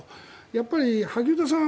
やっぱり萩生田さん